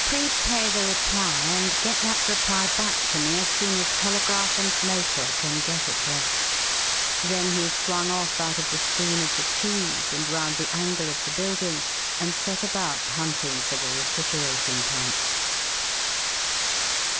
"Prepay the reply, and get that reply back to me as soon as telegraph and motor can get it here." Then he swung off out of the screen of the trees and round the angle of the building, and set about hunting for the refrigerating plant.